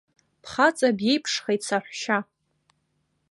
Бхаҵа биеиԥшхеит саҳәшьа.